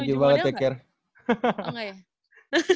thank you banget take care